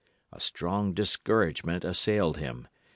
A strong discouragement assailed him.